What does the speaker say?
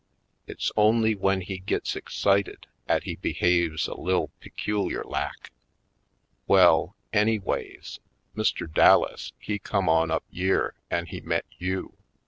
It's only w'en he gits excited 'at he behaves a lil* peculiar lak. Well, anyways, Mr. Dallas he come on up yere an' he met you.